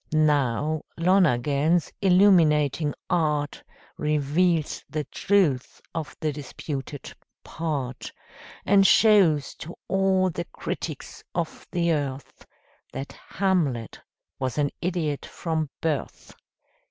Now, Lonergan's illuminating art Reveals the truth of the disputed "part," And shows to all the critics of the earth That Hamlet was an idiot from birth!